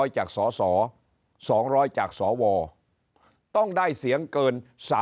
๕๐๐จากสอสอ๒๐๐จากสอวอต้องได้เสียงเกิน๓๕๐